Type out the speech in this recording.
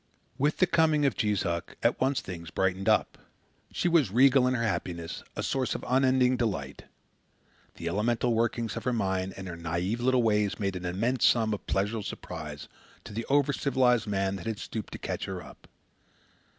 With the coming of Jees Uck, at once things brightened up. She was regal in her happiness, a source of unending delight. The elemental workings of her mind and her naive little ways made an immense sum of pleasurable surprise to the over civilized man that had stooped to catch her up.